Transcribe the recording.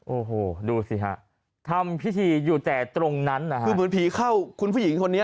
โอ้โหดูสิฮะทำพิธีอยู่แต่ตรงนั้นนะฮะคือเหมือนผีเข้าคุณผู้หญิงคนนี้